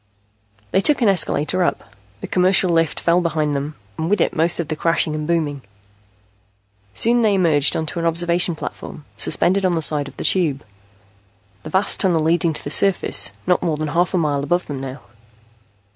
They took an escalator up. The commercial lift fell behind them, and with it most of the crashing and booming. Soon they emerged on an observation platform, suspended on the side of the Tube, the vast tunnel leading to the surface, not more than half a mile above them now.